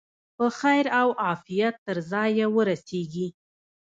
په خیر او عافیت تر ځایه ورسیږي.